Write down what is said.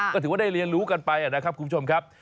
ก็ถือว่าได้เรียนรู้กันไปนะครับคุณผู้ชมครับ